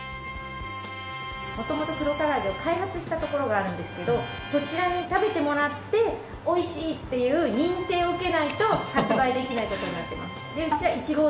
もともと黒から揚げを開発したところがあるんですけどそちらに食べてもらって美味しいっていう認定を受けないと発売できないことになってます。